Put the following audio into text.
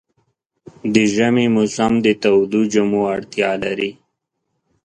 د ژمي موسم د تودو جامو اړتیا لري.